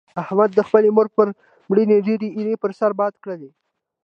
احمد د خپلې مور پر مړینه ډېرې ایرې پر سر باد کړلې.